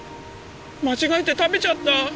間違えて食べちゃった